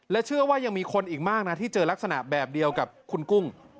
เชื่อว่ายังมีคนอีกมากนะที่เจอลักษณะแบบเดียวกับคุณกุ้ง